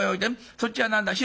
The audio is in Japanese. そっちは何だい？